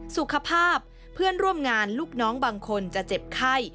สุขภาพเพื่อนร่วมงานลูกน้องบางคนจะเจ็บไข้